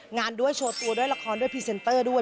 งานด้วยโชว์ตัวด้วยละครด้วยพรีเซนเตอร์ด้วย